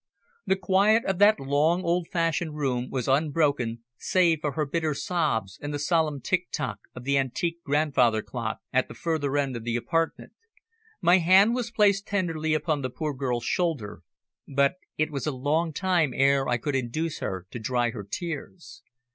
The quiet of that long, old fashioned room was unbroken save for her bitter sobs and the solemn tick tock of the antique grandfather clock at the further end of the apartment. My hand was placed tenderly upon the poor girl's shoulder, but it was a long time ere I could induce her to dry her tears.